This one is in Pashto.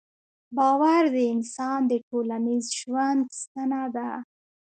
باور د انسان د ټولنیز ژوند ستنه ده.